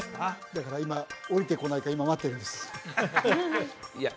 だから今降りてこないか今待ってるんですいや